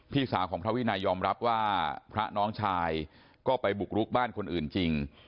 พี่สาวของพระวินัยยอมรับว่าพระน้องชายก็ไปบุกรุกบ้านคนอื่นจริง